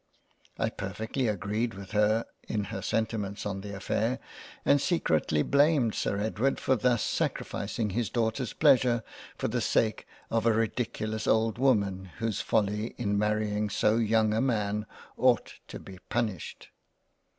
I per fectly agreed with her in her sentiments on the affair, and secretly blamed Sir Edward for thus sacrificing his Daughter's Pleasure for the sake of a ridiculous old woman whose folly in marrying so young a man ought to be punished.